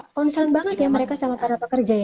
concern banget ya mereka sama para pekerja ya